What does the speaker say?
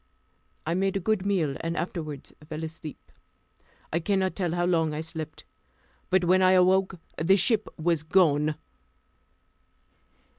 I made a good meal, and afterward fell asleep. I cannot tell how long I slept, but when I awoke the ship was gone.